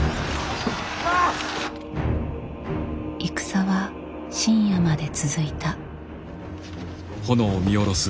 戦は深夜まで続いた。